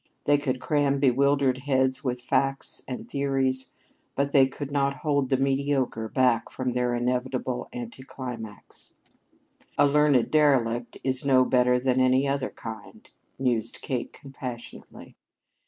They could cram bewildered heads with facts and theories, but they could not hold the mediocre back from their inevitable anticlimax. "A learned derelict is no better than any other kind," mused Kate compassionately.